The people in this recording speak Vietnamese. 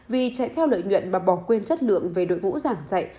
vì chạy theo lợi nhuận mà bỏ quên chất lượng về đội ngũ giảng dạy